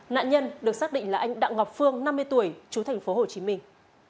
nạn nhân được xác định là anh đặng ngọc phương năm mươi tuổi chú thành phố hồ chí minh